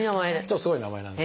すごい名前なんですけど。